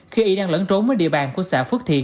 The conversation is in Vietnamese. khi ý đang lẫn trốn với địa bàn của xã phước thiền